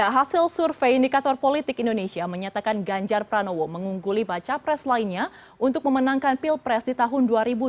hasil survei indikator politik indonesia menyatakan ganjar pranowo mengungguli baca pres lainnya untuk memenangkan pilpres di tahun dua ribu dua puluh